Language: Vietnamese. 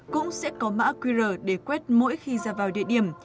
cũng sẽ có mã qr để quét mỗi khi ra vào địa điểm